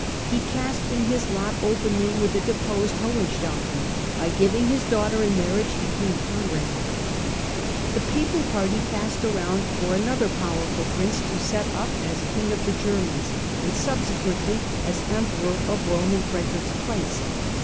He cast in his lot openly with the deposed Hohenstaufen by giving his daughter in marriage to King Conrad. The Papal party cast around for another powerful Prince to set up as King of the Germans, and subse 252 STUPOR MUNDI quently as Emperor of Rome, in Frederick's place.